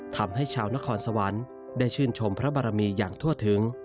ทำให้ชาวนครสวรรค์ได้ชื่นชมพระบารมีอย่างทั่วถึง